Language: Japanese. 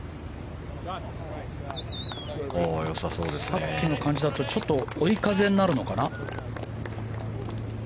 さっきの感じだとちょっと追い風になるのかな。